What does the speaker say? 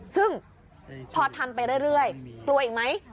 ซึ่งพอทำไปเรื่อยกลัวอีกไหม